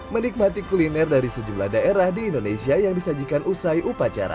menikmati kuliner dari sejumlah daerah di indonesia yang disajikan usai upacara